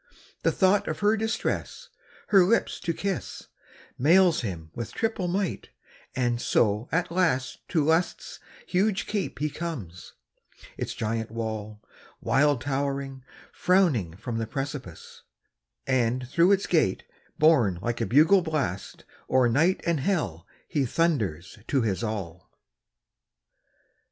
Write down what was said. The thought of her distress, her lips to kiss, Mails him with triple might; and so at last To Lust's huge keep he comes; its giant wall, Wild towering, frowning from the precipice; And through its gate, borne like a bugle blast, O'er night and hell he thunders to his all.